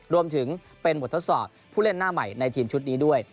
รวมถึงเป็นบททดสอบผู้เล่นหน้าใหม่ในทีมชุดนี้ด้วย